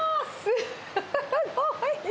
すっごい！